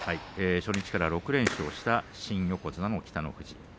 初日から６連勝した新横綱の北の富士。